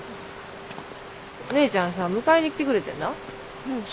姉ちゃんさ迎えに来てくれてんな学校に。